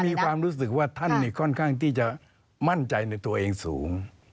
มีความรู้สึกว่าท่านค่อนข้างที่จะมั่นใจในตัวเองสูง